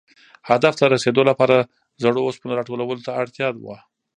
هدف ته رسېدو لپاره زړو اوسپنو را ټولولو ته اړتیا وه.